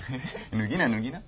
脱ぎな脱ぎな。